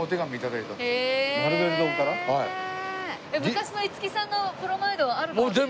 昔の五木さんのプロマイドあるかもしれない。